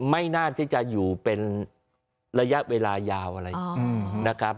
ไม่น่าจะอยู่เป็นระยะเวลายาวอะไร